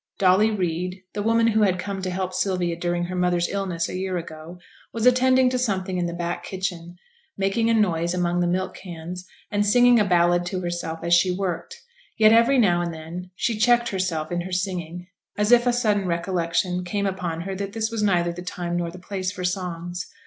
Dolly Reid, the woman who had come to help Sylvia during her mother's illness a year ago, was attending to something in the back kitchen, making a noise among the milk cans, and singing a ballad to herself as she worked; yet every now and then she checked herself in her singing, as if a sudden recollection came upon her that this was neither the time nor the place for songs.